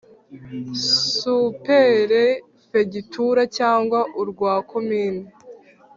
Superefegitura cyangwa urwa komini